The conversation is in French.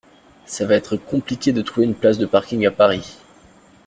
Ça va être compliqué de trouver une place de parking à Paris.